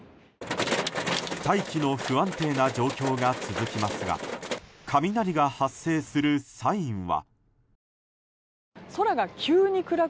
大気の不安定な状況が続きますが雷が発生するサインは。